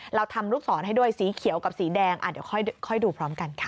เราทำลูกศรให้ด้วยสีเขียวกับสีแดงเดี๋ยวค่อยดูพร้อมกันค่ะ